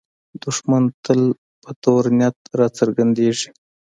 دښمن تل په تور نیت راڅرګندېږي